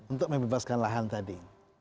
untuk membebaskan lahan tadi